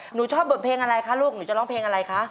หนูชอบบทเพลงอะไรคะลูกหนูจะร้องเพลงอะไรคะ